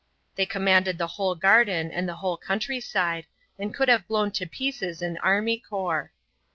They commanded the whole garden and the whole country side, and could have blown to pieces an army corps.